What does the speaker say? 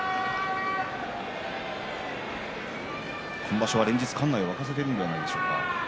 今場所は連日、館内を沸かせているんじゃないでしょうか。